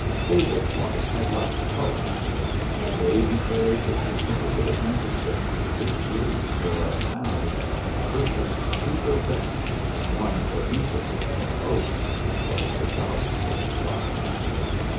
David's life had lacked color. The day he carried his certificate of membership to the big jewelry store uptown and purchased two rosettes, one for each of his two coats, was the proudest of his life.